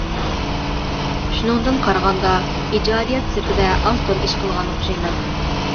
شۇنىڭدىن قارىغاندا ئىجادىيەت سېپىدە ئاز-تولا ئىش قىلغان ئوخشايمەن.